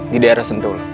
di daerah sentul